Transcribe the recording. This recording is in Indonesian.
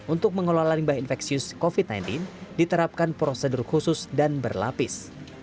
untuk mengelola limbah infeksius covid sembilan belas diterapkan prosedur khusus dan berlapis